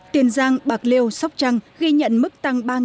tiền giang bạc liêu sóc trăng ghi nhận mức tăng ba đến năm đồng